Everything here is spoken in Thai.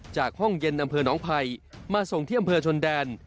ห้องเย็นอำเภอน้องภัยมาส่งที่อำเภอชนแดน